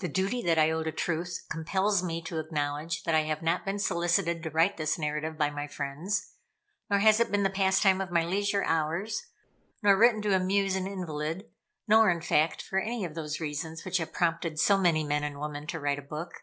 The duty that I owe to truth compels me to acknowledge that I have not been solicited to write this narrative by my friends; nor has it been the pastime of my leisure hours; nor written to amuse an invalid; nor, in fact, for any of those reasons which have prompted so many men and women to write a book.